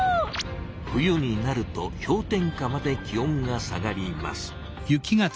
冬になると氷点下まで気温が下がります。